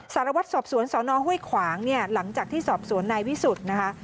สารวัตรสอบสวนสนห้วยขวางเนี่ยหลังจากที่สอบสวนนายวิสุทธิ์นะคะ